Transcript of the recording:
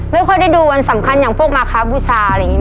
ไม่ค่อยได้ดูวันสำคัญอย่างพวกมาครับบูชาอะไรอย่างนี้